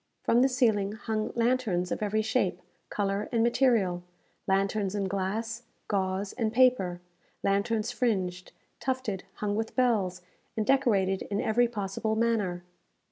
From the ceiling hung lanterns of every shape, colour, and material lanterns in glass, gauze, and paper lanterns fringed, tufted, hung with bells, and decorated in every possible manner.